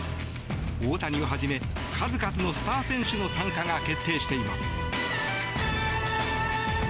大谷をはじめ数々のスター選手の参加が決定しています。